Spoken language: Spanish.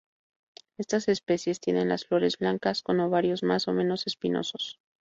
Estas especies tienen las flores blancas con ovarios más o menos espinosos.